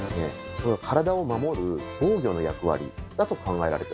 これは体を守る防御の役割だと考えられております。